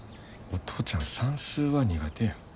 お父ちゃん算数は苦手や。